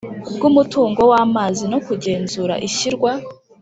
Bw umutungo w amazi no kugenzura ishyirwa